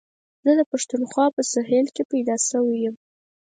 زه د پښتونخوا په سهېل کي پيدا شوی یم.